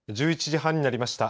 １１時半になりました。